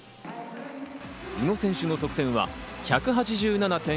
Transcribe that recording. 宇野選手の得点は１８７．１０。